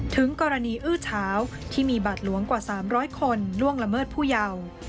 ถึงกรณีอื้อเช้าที่มีบาทหลวงกว่า๓๐๐คนล่วงละเมิดผู้เยาว์